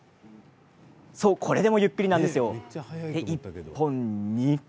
これでも、ゆっくりです。